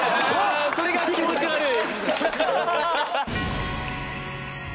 それが気持ち悪い。